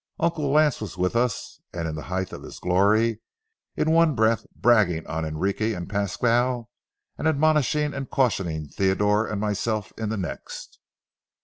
Uncle Lance was with us and in the height of his glory, in one breath bragging on Enrique and Pasquale, and admonishing and cautioning Theodore and myself in the next.